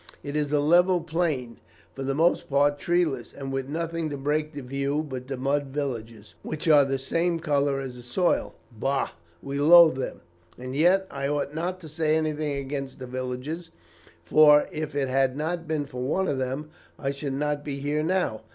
It is a level plain, for the most part treeless, and with nothing to break the view but the mud villages, which are the same colour as the soil. Bah! we loathed them. And yet I ought not to say anything against the villages, for, if it had not been for one of them, I should not be here now.